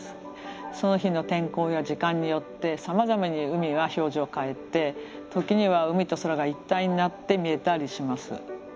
その日の天候や時間によってさまざまに海は表情を変えて時には海と空が一体になって見えたりします。